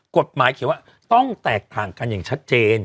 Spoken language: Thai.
กฎหมายเขียนว่าต้องแตกต่างกันอย่างชัดเจน